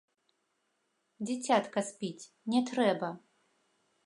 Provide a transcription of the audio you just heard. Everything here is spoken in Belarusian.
Дзіцятка спіць, не трэба!